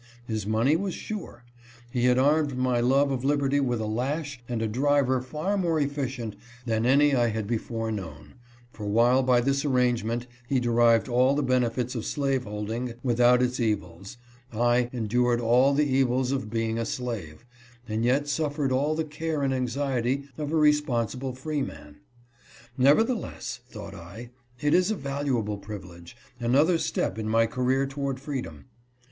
His money was sure. He had armed my love of liberty with a lash and a driver far more efficient than any I had before known ; for, while by this arrange ment, he derived all the benefits of slaveholding without its evils, I endured all the evils of being a slave, and yet suffered all the care and anxiety of a responsible freeman. " Nevertheless," thought I, " it is a valuable privilege — another step in my career toward freedom."